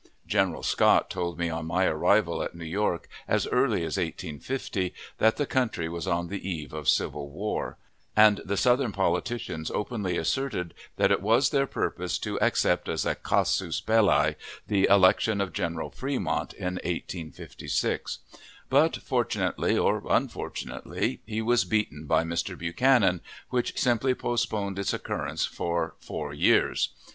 General Scott told me on my arrival at New York, as early as 1850, that the country was on the eve of civil war; and the Southern politicians openly asserted that it was their purpose to accept as a casus belli the election of General Fremont in 1856; but, fortunately or unfortunately, he was beaten by Mr. Buchanan, which simply postponed its occurrence for four years.